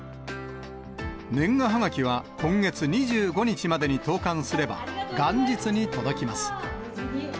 年賀はがきは今月２５日までに投かんすれば、元日に届きます。